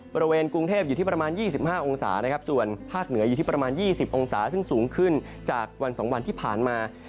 บริเวณกรุงเทพอยู่ที่ประมาณ๒๕องศานะครับส่วนภาคเหนืออยู่ที่ประมาณ๒๐องศาซึ่งสูงขึ้นจากวัน๒วันที่ผ่านมา